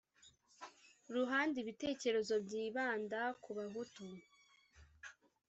ruhande ibitekerezo byibanda kubahutu